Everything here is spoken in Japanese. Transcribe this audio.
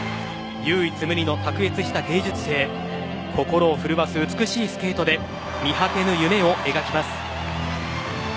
唯一無二の卓越した芸術性心を震わす美しいスケートで見果てぬ夢を描きます。